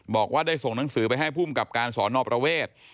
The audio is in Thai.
บอกว่าได้ส่งหนังสือไปให้ภูมิกับการสอนอประเวท